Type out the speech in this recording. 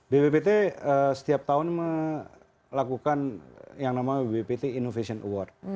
bbpt setiap tahun melakukan yang namanya bbpt innovation award